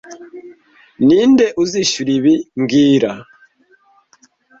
Ninde uzishyura ibi mbwira